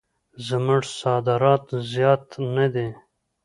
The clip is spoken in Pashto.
زموږ صادرات زیات نه دي.